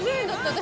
私。